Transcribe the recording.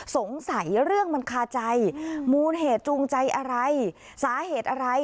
สงสัยเรื่องมันคาใจมูลเหตุจูงใจอะไรสาเหตุอะไร